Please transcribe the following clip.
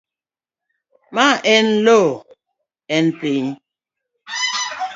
Ma en loo, en piny.